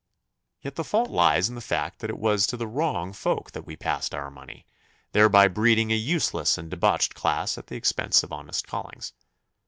Yet the fault lies in the fact that it was to the wrong folk that we passed our money, thereby breeding a useless and debauched class at the expense of honest callings.